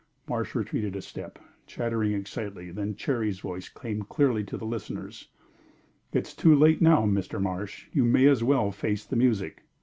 Marsh retreated a step, chattering excitedly. Then Cherry's voice came clearly to the listeners: "It is too late now, Mr. Marsh. You may as well face the music."